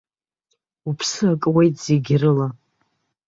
Уԥсы акуеит зегьрыла.